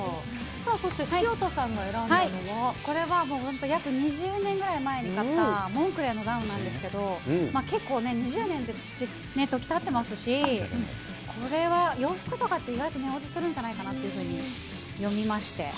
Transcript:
そして潮田さんがこれはもう本当、約２０年ぐらい前に買ったモンクレの結構ね、２０年の時たってますし、これは洋服とかって意外と値落ちするんじゃないかなというふうに読みまして。